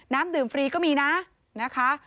น้ำดื่มฟรีก็มีนะนะคะ